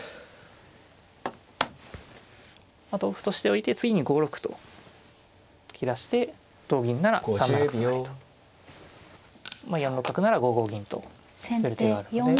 同歩としておいて次に５六歩と突き出して同銀なら３七角成と４六角なら５五銀とする手があるので。